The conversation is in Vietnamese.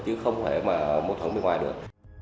chứ không phải mà mâu thuẫn với ngoài nữa